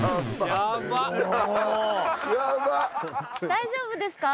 大丈夫ですか？